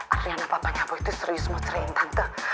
adriana papanya boy tuh serius mau ceriin tante